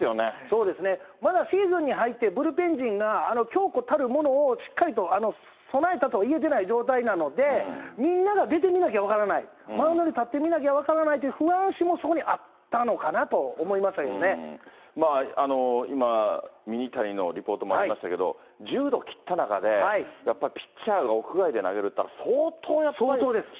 そうですね、まだシーズンに入って、ブルペン陣が、強固たるものを、しっかりと備えたとはいえてない状態なので、みんなが出てみなきゃわからない、マウンドに立ってみなきゃ分からないという不安視も、そこにあっまあ、今、ミニタニのリポートにもありましたけど、１０度切った中で、やっぱ、ピッチャーが屋外で投げるっていったら、相当です。